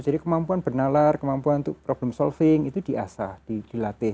kemampuan bernalar kemampuan untuk problem solving itu diasah dilatih